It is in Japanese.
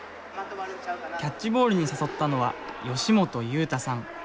キャッチボールに誘ったのは吉本勇太さん。